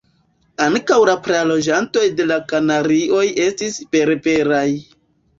Ankaŭ la praloĝantoj de la Kanarioj estis berberaj.